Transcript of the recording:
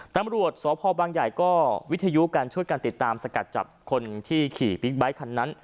ตำรวจสพบางใหญ่ก็วิทยุการช่วยกันติดตามสกัดจับคนที่ขี่บิ๊กไบท์คันนั้น